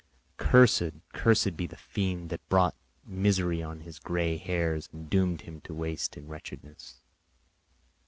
Cursed, cursed be the fiend that brought misery on his grey hairs and doomed him to waste in wretchedness!